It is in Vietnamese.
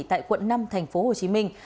tại quận năm thành phố hồ chí minh